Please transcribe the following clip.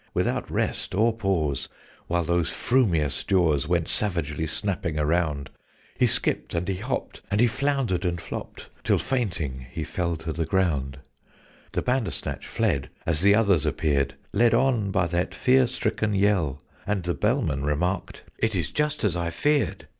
Without rest or pause while those frumious jaws Went savagely snapping around He skipped and he hopped, and he floundered and flopped, Till fainting he fell to the ground. The Bandersnatch fled as the others appeared Led on by that fear stricken yell: And the Bellman remarked "It is just as I feared!"